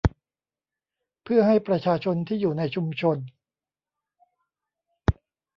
เพื่อให้ประชาชนที่อยู่ในชุมชน